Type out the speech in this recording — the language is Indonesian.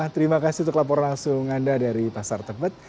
terima kasih untuk laporan langsung anda dari pasar tebet